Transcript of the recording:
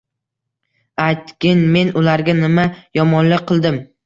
Aytgin men ularga nima yomonlik qildim?